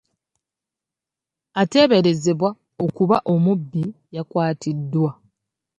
Ateeberezebwa okuba omubbi yakwatiddwa.